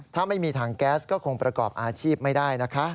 ถ้าไม่มีถังแก๊สก็คงประกอบอาชีพไม่ได้นะคะ